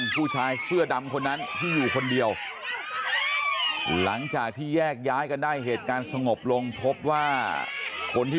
ถูกเอาขวดเบียงเนี้ยมาฟาดหัวนะฮะ